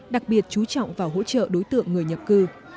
đặc biệt chú trọng vào hỗ trợ đối tượng người nhập cư